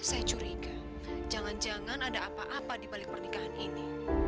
saya curiga jangan jangan ada apa apa dibalik pernikahan ini